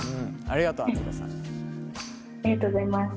ありがとうございます。